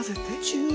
チュー。